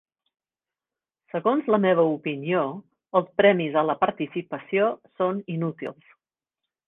Segons la meva opinió, els premis a la participació són inútils.